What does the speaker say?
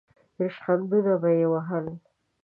ریشخندونه به یې وهل.